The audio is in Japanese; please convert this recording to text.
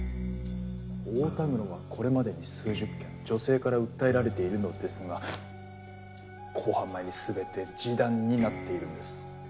太田黒はこれまでに数十件女性から訴えられているのですが公判前に全て示談になっているんです。